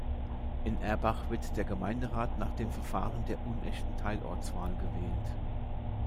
In Erbach wird der Gemeinderat nach dem Verfahren der unechten Teilortswahl gewählt.